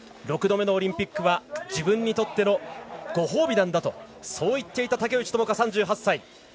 ６度目のオリンピックは自分にとってのご褒美なんだとそう言っていた、竹内智香３８歳。